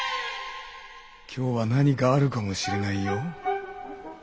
今日は何かあるかもしれないよ。